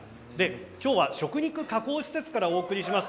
今日は食肉加工施設からお送りします。